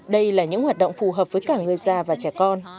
đây là những hoạt động phù hợp với cả người già và trẻ con